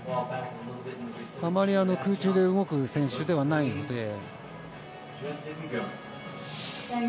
あまり空中で動く選手ではないので。